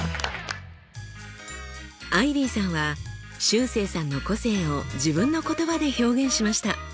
アイビーさんはしゅうせいさんの個性を自分の言葉で表現しました。